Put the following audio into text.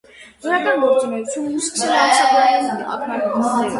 Գրական գործունեությունն սկսել է ամսագրային ակնարկներով։